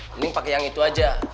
paling pakai yang itu aja